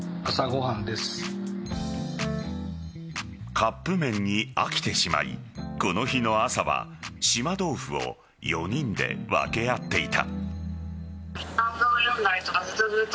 カップ麺に飽きてしまいこの日の朝は島豆腐を４人で分け合っていた。